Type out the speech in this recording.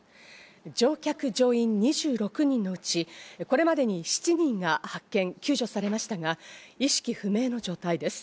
乗客・乗員２６人のうち、これまでに７人が発見・救助されましたが、意識不明の状態です。